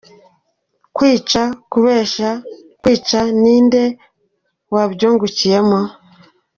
Kwica , kubeshya, kwica, ni nde wabyungukiyemo ?